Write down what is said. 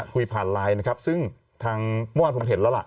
คุยผ่านไลน์นะครับซึ่งทางเมื่อวานผมเห็นแล้วล่ะ